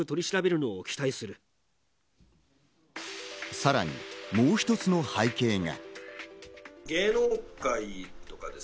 さらにもう一つの背景が。